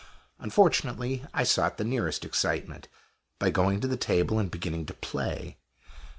Unfortunately I sought the nearest excitement, by going to the table and beginning to play.